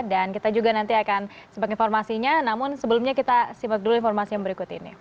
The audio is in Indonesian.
dan kita juga nanti akan sebagian informasinya namun sebelumnya kita simak dulu informasi yang berikut ini